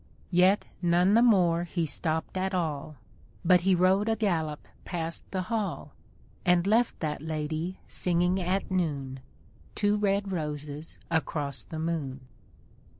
Yet none the more he stopp'd at all, But he rode a gallop past the hall ; And left that lady singing at noon. Two red roses across the moon.